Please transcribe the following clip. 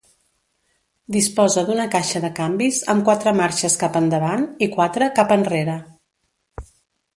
Disposa d'una caixa de canvis amb quatre marxes cap endavant i quatre cap enrere.